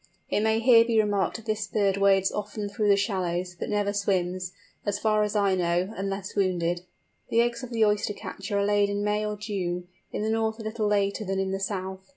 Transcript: It may here be remarked that this bird wades often through the shallows, but never swims, as far as I know, unless wounded. The eggs of the Oyster catcher are laid in May or June, in the north a little later than in the south.